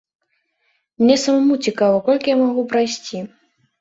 Мне самому цікава, колькі я магу прайсці.